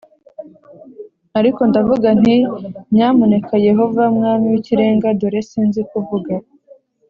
Ariko ndavuga nti nyamuneka Yehova Mwami w Ikirenga Dore sinzi kuvuga